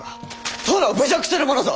殿を侮辱するものぞ！